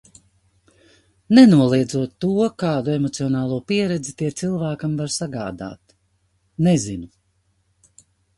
Nenoliedzot to, kādu emocionālo pieredzi tie cilvēkam var sagādāt. Nezinu.